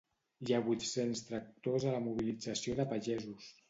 Hi ha vuit-cents tractors a la mobilització de pagesos.